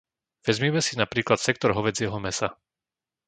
Vezmime si napríklad sektor hovädzieho mäsa.